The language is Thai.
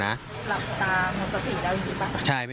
หลับตามมันสติแล้วจริงปะ